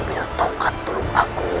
bila tongkat turun aku